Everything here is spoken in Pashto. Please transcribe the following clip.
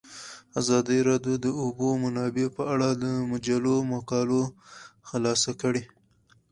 ازادي راډیو د د اوبو منابع په اړه د مجلو مقالو خلاصه کړې.